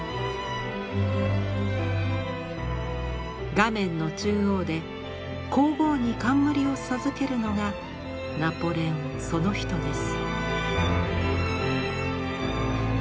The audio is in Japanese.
画面の中央で皇后に冠を授けるのがナポレオンその人です。